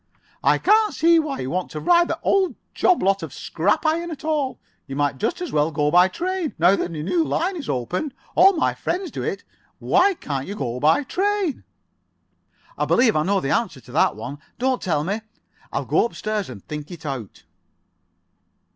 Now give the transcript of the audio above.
"I can't see why you want to ride that old job lot of scrap iron at all. You might just as well go by train, now that the new line is opened. All my friends do it. Why can't you go by train?" "I believe I know the answer to that one. Don't tell me. I'll go upstairs and think it out."